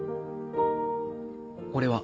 俺は。